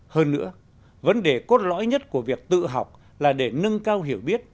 hơn nữa vấn đề cốt lõi nhất của việc tự học là để nâng cao hiểu biết